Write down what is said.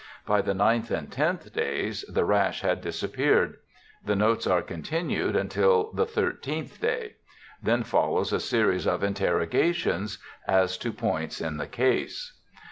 By the ninth and tenth days the rash had disappeared. The notes are continued until the thirteenth day. Then follows a series of interrogations as to points in the case.